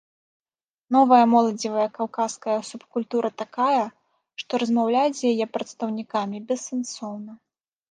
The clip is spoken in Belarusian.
Новая моладзевая каўказская субкультура такая, што размаўляць з яе прадстаўнікамі бессэнсоўна.